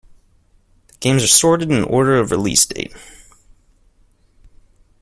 The games are sorted in order of release date.